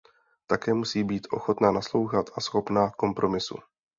Také musí být ochotna naslouchat a schopna kompromisu.